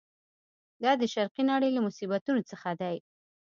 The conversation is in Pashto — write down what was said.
دا د شرقي نړۍ له مصیبتونو څخه دی.